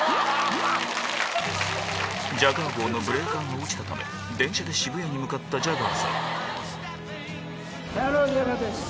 ジャガー号のブレーカーが落ちたため電車で渋谷に向かったジャガーさん